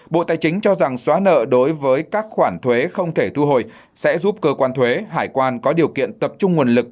bộ tài chính cho rằng xóa nợ đối với các khoản thuế không thể thu hồi sẽ giúp cơ quan thuế hải quan có điều kiện tập trung nguồn lực